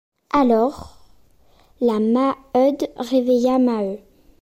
Alors, la Maheude réveilla Maheu.